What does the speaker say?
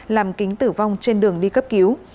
làm kính tử vong trên đường đi cấp cứu